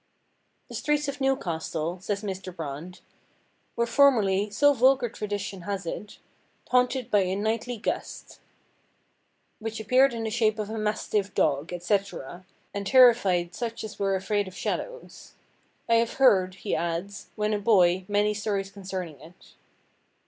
"The streets of Newcastle," says Mr. Brand, "were formerly (so vulgar tradition has it) haunted by a nightly guest, which appeared in the shape of a mastiff dog, etc., and terrified such as were afraid of shadows. I have heard," he adds, "when a boy, many stories concerning it."